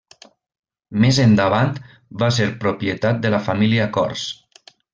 Més endavant va ser propietat de la família Cors.